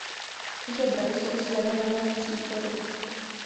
Žebra jsou svedena na přípory.